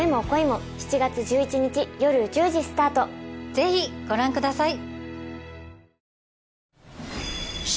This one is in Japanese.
ぜひご覧ください